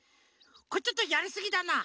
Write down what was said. これちょっとやりすぎだな。